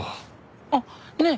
あっねえ